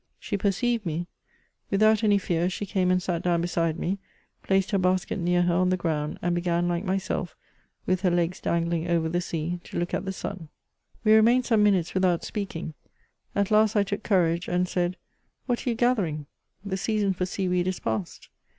She perceived me ; without any fear, she came and sat down be side me, placed her basket near her on the ground, and began, like myself, with her legs danghng over the sea, to look at the sun. We remained some minutes without speaking ; at last I took courage and said, '' What are you gathering ? The season for sea weed is past."